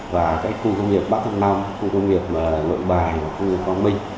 và các khu công nghiệp ba tháng năm khu công nghiệp nội bài khu công nghiệp văn minh